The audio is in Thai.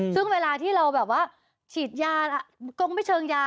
ซึ่งเวลาที่เราแบบว่าฉีดยากงไม่เชิงยา